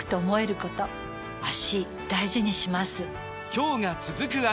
今日が、続く脚。